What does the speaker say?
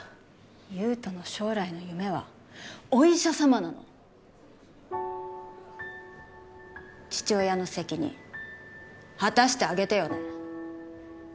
優人の将来の夢はお医者さまなの父親の責任果たしてあげてよね